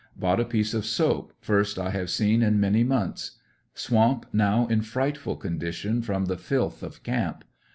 Bought a piece of soap, first I have seen in many months. Swamp now in frightful condition from the filth of camp.